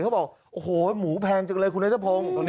เขาบอกโอ้โหหมูแพงจังเลยคุณนัทพงศ์